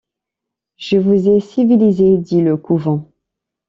Je vous ai civilisés, dit le couvent.